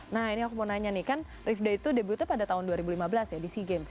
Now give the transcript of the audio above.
nah ini aku mau nanya nih kan rifda itu debutnya pada tahun dua ribu lima belas ya di sea games